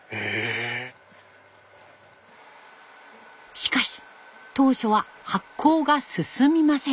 しかし当初は発酵が進みません。